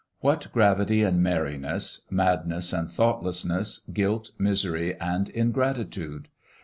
What gravity and merriness, madness and thoughtlessness, guilt, misery, and ingratitude!